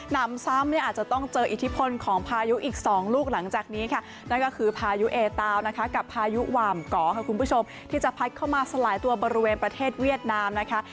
นำซ้ำเนี่ยอาจจะต้องเจออิทธิพลของพายุอีก๒ลูกหลังจากนี้ค่ะนั่นก็คือพายุเอตาวนะคะกับพายุหว่ามเกาะค่ะคุณผู้ชมที่จะพัดเข้ามาสลายตัวบริเวณประเทศเวียดนามนะคะ